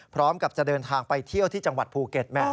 พร้อมกับจะเดินทางไปเที่ยวที่จังหวัดภูเก็ต